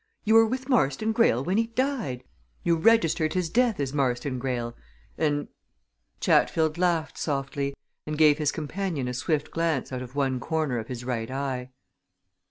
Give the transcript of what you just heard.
You were with Marston Greyle when he died you registered his death as Marston Greyle and " Chatfield laughed softly and gave his companion a swift glance out of one corner of his right eye.